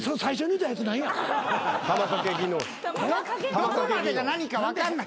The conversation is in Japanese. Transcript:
どこまでが何か分かんない。